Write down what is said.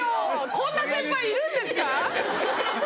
こんな先輩いるんですか？